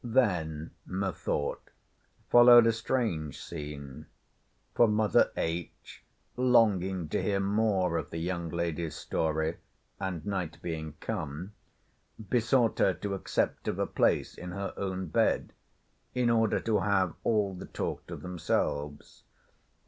Then, methought, followed a strange scene; for mother H. longing to hear more of the young lady's story, and night being come, besought her to accept of a place in her own bed, in order to have all the talk to themselves.